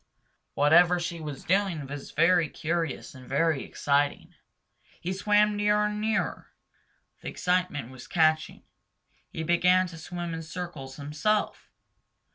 Whatever she was doing was very curious and very exciting. He swam nearer and nearer. The excitement was catching. He began to swim in circles himself.